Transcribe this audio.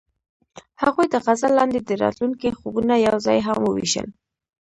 هغوی د غزل لاندې د راتلونکي خوبونه یوځای هم وویشل.